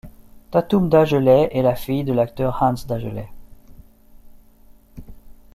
Tatum Dagelet est la fille de l'acteur Hans Dagelet.